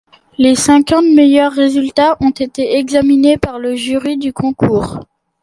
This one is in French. Les cinquante meilleurs résultats ont été examinés par le jury du concours.